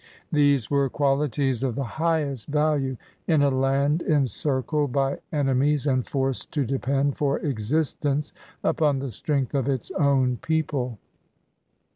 These were qualities of the highest value in a land encircled by enemies and forced to depend for eidstence upon the strength of its own people.